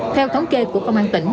theo thống kê của công an tỉnh